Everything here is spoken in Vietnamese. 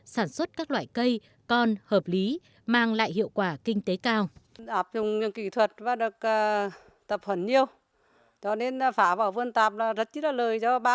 sản xuất các loại cây con hợp lý mang lại hiệu quả kinh tế cao